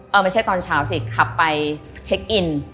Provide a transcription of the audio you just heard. ไม่ใช่ตอนเช้าสิขับไปเช็คอิน